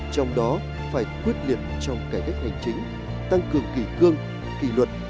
trong đó phải quyết liệt trong cải cách hành chính tăng cường kỷ cương kỷ luật